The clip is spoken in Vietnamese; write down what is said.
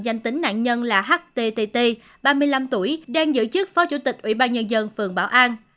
danh tính nạn nhân là htt ba mươi năm tuổi đang giữ chức phó chủ tịch ủy ban nhân dân phường bảo an